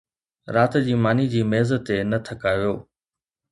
رات جي ماني جي ميز تي نه ٿڪايو